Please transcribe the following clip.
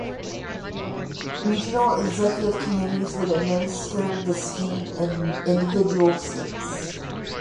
Regional executive committees would administer the scheme in individual states.